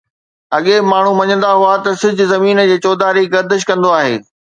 اڳي ماڻهو مڃيندا هئا ته سج زمين جي چوڌاري گردش ڪندو آهي.